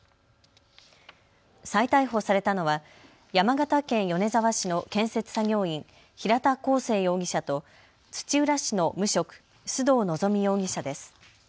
再逮捕されたのは山形県米沢市の建設作業員、平田光星容疑者と土浦市の無職、須藤望容疑者です。